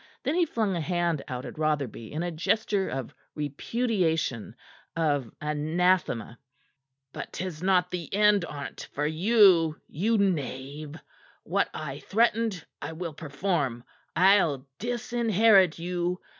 Then he flung a hand out at Rotherby in a gesture of repudiation, of anathema. "But 'tis not the end on't for you, you knave! What I threatened, I will perform. I'll disinherit you.